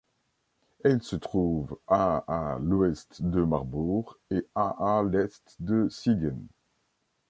Elle se trouve à à l'ouest de Marbourg et à à l'est de Siegen.